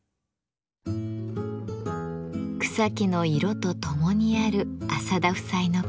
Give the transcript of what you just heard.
草木の色とともにある浅田夫妻の暮らし。